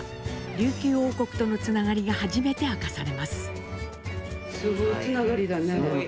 琉球王国とのつながりが初めて明かされます。